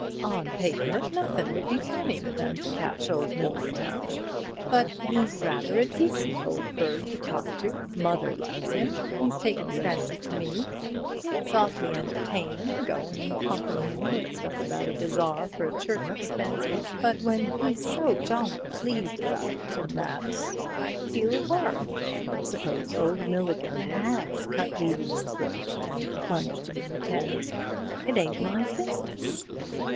"On paper, nothin' would be funnier than to catch old Milligan out. But he's rather a decent old bird to talk to. Mother likes him. He's taken a fancy to me. It's awfully entertainin' goin' and pumpin' him with stuff about a bazaar for church expenses, but when he's so jolly pleased about it and that, I feel a worm. S'pose old Milligan has cut Levy's throat and plugged him into the Thames. It ain't my business."